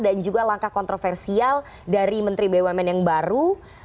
dan juga langkah kontroversial dari menteri bumn yang baru